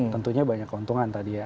tentunya banyak keuntungan tadi ya